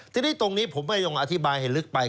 ทีนี้ตรงนี้ผมไม่ต้องอธิบายให้ลึกไป